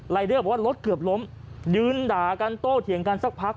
เดอร์บอกว่ารถเกือบล้มยืนด่ากันโต้เถียงกันสักพัก